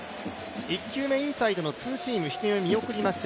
１球目インサイドのツーシーム見送りまして